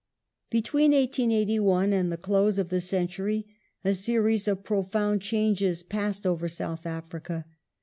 Epilogue Between 1881 and the close of the century a series of profound changes passed over South Africa.